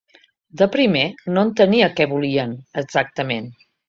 De primer, no entenia què volien, exactament.